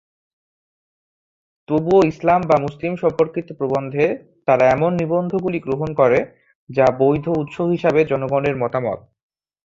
তবুও ইসলাম বা মুসলিম সম্পর্কিত প্রবন্ধে, তারা এমন নিবন্ধগুলি গ্রহণ করে যা বৈধ উৎস হিসাবে জনগণের মতামত।